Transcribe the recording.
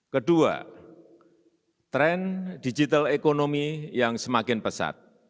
kedua tren digital ekonomi yang semakin pesat